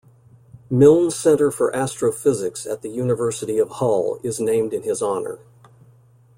Milne Centre for Astrophysics at the University of Hull is named in his honour.